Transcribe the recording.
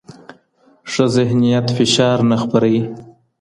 ښه ذهنیت فشار نه خپروي.